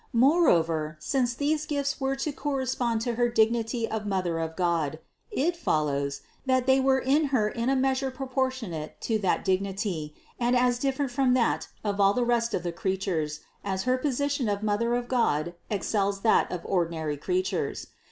Moreover, since these gifts were to correspond to her dignity of Mother of God, it follows, that they were in Her in a measure proportionate to that dignity, and as different from that of all the rest of the creatures as her position of Mother of God excels that of ordinary creatures.